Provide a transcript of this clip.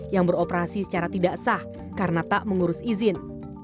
yang beroperasi secara tidak sah karena tak mengurus izin